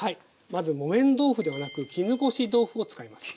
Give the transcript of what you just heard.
まず木綿豆腐ではなく絹ごし豆腐を使います。